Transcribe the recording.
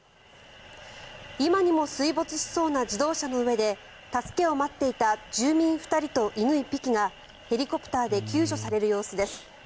今にも水没しそうな自動車の上で助けを待っていた住民２人と犬１匹がヘリコプターで救助される様子です。